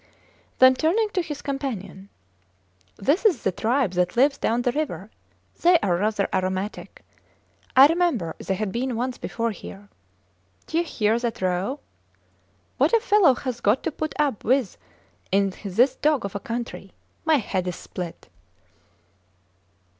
Then turning to his companion: This is the tribe that lives down the river; they are rather aromatic. I remember, they had been once before here. Dye hear that row? What a fellow has got to put up with in this dog of a country! My head is split.